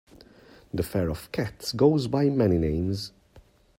The fur of cats goes by many names.